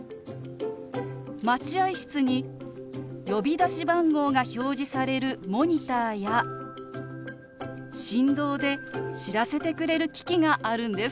待合室に呼び出し番号が表示されるモニターや振動で知らせてくれる機器があるんです。